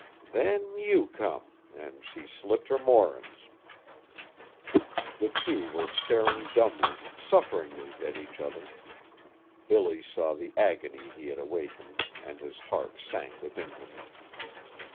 "Then you come, an' she slipped her moorin's." The two were staring dumbly, sufferingly, at each other. Billy saw the agony he had awakened and his heart sank within him.